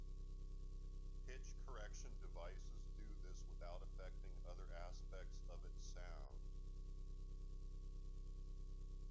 Pitch correction devices do this without affecting other aspects of its sound.